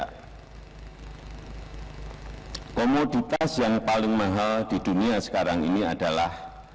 komoditas yang paling mahal di dunia sekarang ini adalah